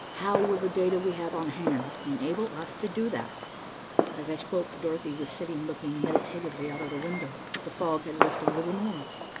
How will the data we have on hand enable us to do that?" As I spoke, Dorothy was sitting looking meditatively out of the window. The fog had lifted a little more.